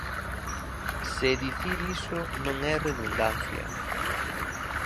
Se dicir iso non é redundancia.